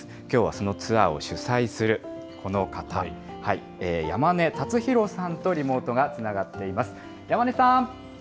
きょうはそのツアーを主催する、この方、山根辰洋さんとリモートがつながっています。